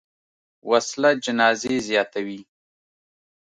وسله جنازې زیاتوي